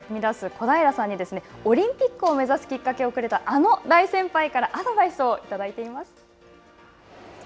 セカンドキャリアへと踏み出す小平さんにオリンピックを目指すきっかけをくれたあの大先輩からアドバイスをいただいています。